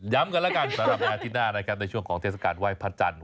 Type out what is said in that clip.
ย้ำกันละกันสำหรับนาทีหน้าในช่วงของเทศกาลไหว้พระจันทร์